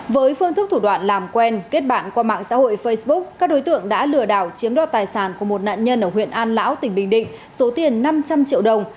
với phương thức thủ đoạn làm quen kết bạn qua mạng xã hội facebook các đối tượng đã lừa đảo chiếm đoạt tài sản của một nạn nhân ở huyện an lão tỉnh bình định số tiền năm trăm linh triệu đồng